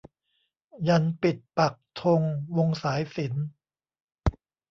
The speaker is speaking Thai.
ยันต์ปิดปักธงวงสายสิญจน์